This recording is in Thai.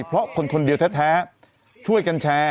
เพราะคนเดียวแท้